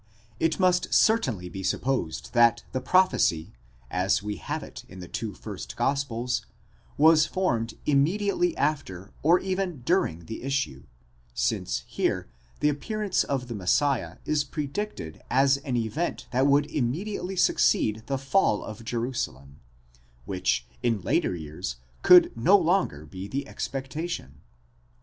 44_ It must certainly be supposed that the prophecy, as we have it in the two first gospels, was formed immediately after or even during the issue, since here the appearance of the Messiah is predicted as an event that would immediately succeed the fall of Jerusalem, which in later years could no longer be the expectation.